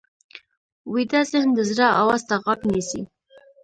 ویده ذهن د زړه آواز ته غوږ نیسي